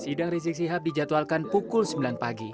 sidang rizik sihab dijadwalkan pukul sembilan pagi